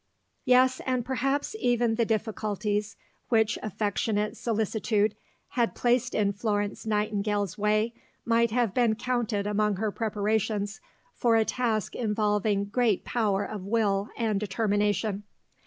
Yes, and perhaps even the difficulties which affectionate solicitude had placed in Florence Nightingale's way might have been counted among her preparations for a task involving great power of will and determination.